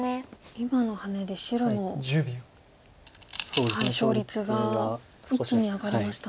今のハネで白の勝率が一気に上がりました。